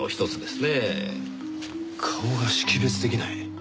顔が識別出来ない？